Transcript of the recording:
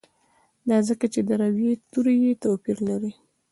دا ځکه چې د روي توري یې توپیر لري.